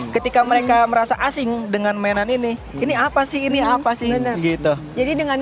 ketika mereka merasa asing dengan mainan ini ini apa sih ini apa sih ini gitu jadi dengan